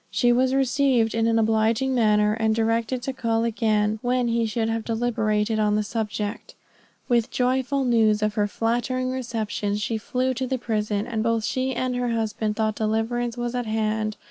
She was received in an obliging manner, and directed to call again when he should have deliberated on the subject. With the joyful news of her flattering reception, she flew to the prison, and both she and her husband thought deliverance was at hand.